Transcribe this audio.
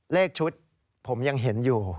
เลขชุดผมยังเห็นอยู่